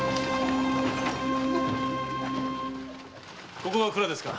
ここが蔵ですか？